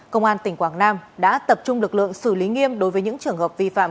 công an tỉnh quảng nam đã tập trung lực lượng xử lý nghiêm đối với những trường hợp vi phạm